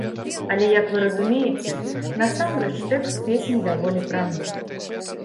Але, як вы разумееце, насамрэч тэкст песні даволі прамы.